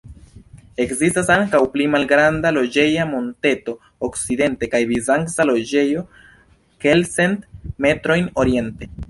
Ekzistas ankaŭ pli malgranda loĝeja monteto okcidente kaj bizanca loĝejo kelkcent metrojn oriente.